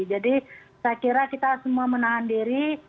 jadi saya kira kita semua menahan diri